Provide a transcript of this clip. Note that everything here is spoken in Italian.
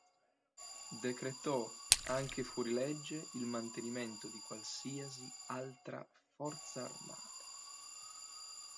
Decretò anche fuori legge il mantenimento di qualsiasi altra forza armata.